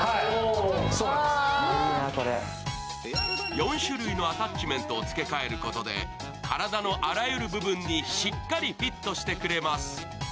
４種類のアタッチメントを付け替えることで体のあらゆる部分にしっかりフィットしてくれます。